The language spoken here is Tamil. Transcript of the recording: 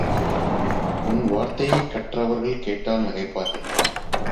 உன் வார்த்தையைக் கற்றவர்கள் கேட்டால் நகைப்பார்கள்!